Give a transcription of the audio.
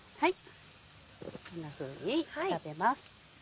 こんなふうに炒めます。